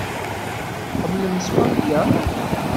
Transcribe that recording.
Tḥemmlem Spanya?